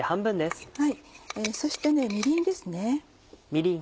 そしてみりんですね。